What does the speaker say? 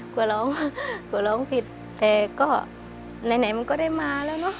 กลัวร้องกลัวร้องผิดแต่ก็ไหนมันก็ได้มาแล้วเนอะ